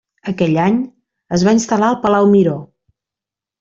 Aquell any es va instal·lar al Palau Miró.